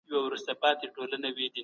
د ذمیانو امنیت باید خوندي وساتل سي.